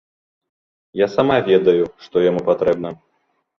Я сама ведаю, што яму патрэбна.